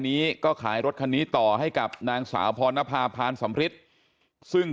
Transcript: นี้ก็ขายรถคันนี้ต่อให้กับนางสาวพรณภาพานสำริทซึ่ง